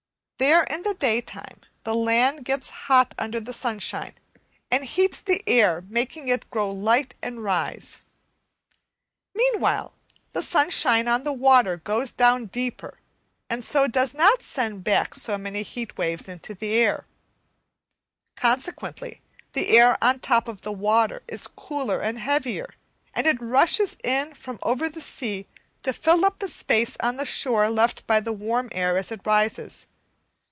there in the daytime the land gets hot under the sunshine, and heats the air, making it grow light and rise. Meanwhile the sunshine on the water goes down deeper, and so does not send back so many heat waves into the air; consequently the air on the top of the water is cooler and heavier, and it rushes in from over the sea to fill up the space on the shore left by the warm air as it rises.